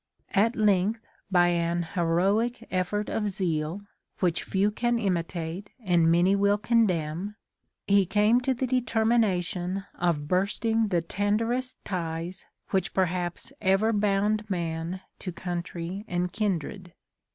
At length, by an heroic effort of zeal, which few can imitate and many will condemn, he came to the determination of bursting the ten derest ties which perhaps ever bound man to country and kindred."